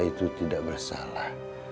itu tidak bersalah